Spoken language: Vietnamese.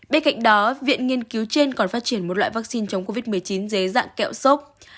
bên cạnh đó viện nghiên cứu trên còn phát triển một loại vaccine chống covid một mươi chín dưới dạng kẹo sốc